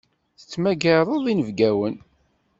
Tettmagareḍ inebgawen.